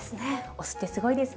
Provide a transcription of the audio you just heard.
お酢ってすごいですね。